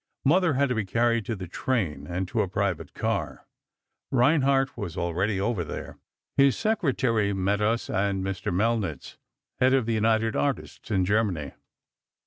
Mother had to be carried to the train and to a private car. Reinhardt was already over there. His secretary met us, and Mr. Melnitz, head of the United Artists in Germany.